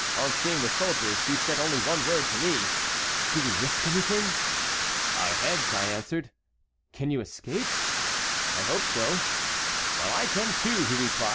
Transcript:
On seeing the soldiers he said only one word to me: 'Do we risk anything?' "'Our heads,' I answered. "'Can you escape?' "'I hope so.' "'Well, I can too,' he replied.